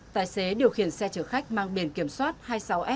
tài xế điều khiển xe trưởng khách mang biển kiểm soát hai mươi sáu a